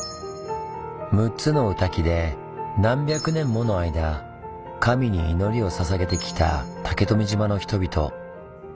６つの御嶽で何百年もの間神に祈りをささげてきた竹富島の人々。